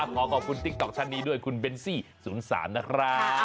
ขอขอบคุณติ๊กต๊อกท่านนี้ด้วยคุณเบนซี่ศูนย์ศาลนะครับ